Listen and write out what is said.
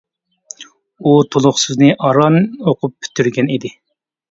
ئۇ تولۇقسىزنى ئاران ئوقۇپ پۈتتۈرگەن ئىدى.